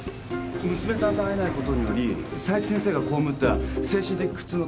娘さんと会えないことにより佐伯先生が被った精神的苦痛の対価。